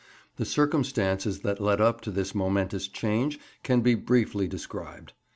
The circumstances that led up to this momentous change can be briefly described.